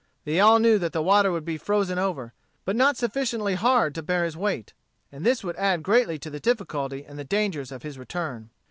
They all knew that the water would be frozen over, but not sufficiently hard to bear his weight, and this would add greatly to the difficulty and the danger of his return.